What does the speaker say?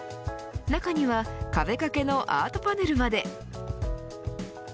なかには壁掛けのアートパネルまで。